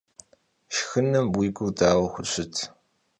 Şşxınım vui gur daue xuşıt?